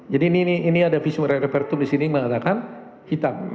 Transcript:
jadi ini ada visum e repertum disini mengatakan hitam